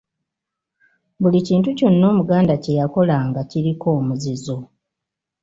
Buli kintu kyonna Omuganda kye yakolanga kiriko omuzizo